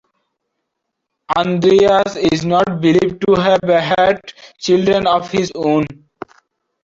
Andreas is not believed to have had children of his own.